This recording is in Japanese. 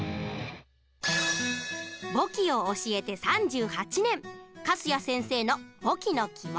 簿記を教えて３８年粕谷先生の簿記のキモ。